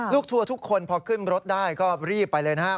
ทัวร์ทุกคนพอขึ้นรถได้ก็รีบไปเลยนะครับ